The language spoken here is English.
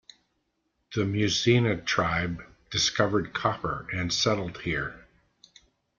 The Musina tribe discovered copper and settled here.